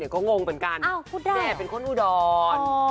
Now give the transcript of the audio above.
ก็งงเหมือนกันแม่เป็นคนอุดร